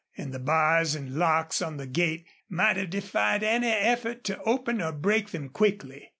And the bars and locks on the gate might have defied any effort to open or break them quickly.